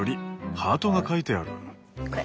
ハートが描いてある。